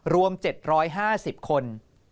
รวม๗๕๐คน